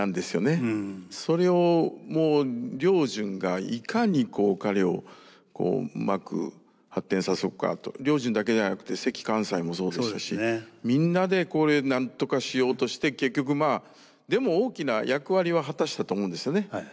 それをもう良順がいかに彼をうまく発展させようかと良順だけではなくて関寛斎もそうでしたしみんなで何とかしようとして結局でも大きな役割は果たしたと思うんですよね。